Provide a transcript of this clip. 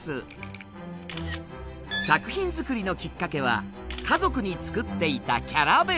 作品作りのきっかけは家族に作っていたキャラ弁。